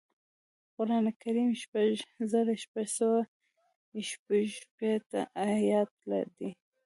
قران کریم شپږ زره شپږ سوه شپږشپېته ایاته دی